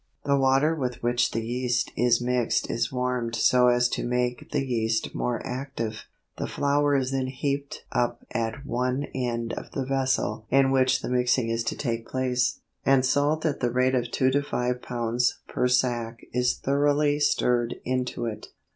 The water with which the yeast is mixed is warmed so as to make the yeast more active. The flour is then heaped up at one end of the vessel in which the mixing is to take place, and salt at the rate of 2 to 5 lbs. per sack is thoroughly stirred into it.